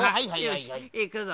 よしいくぞ！